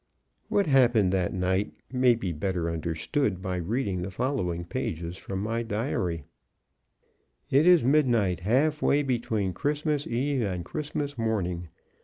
What happened that night may be better understood by reading the following page from my diary: "It is midnight, halfway between Christmas eve and Christmas morning.